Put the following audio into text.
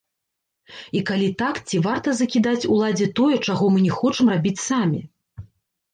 І калі так, ці варта закідаць уладзе тое, чаго мы не хочам рабіць самі?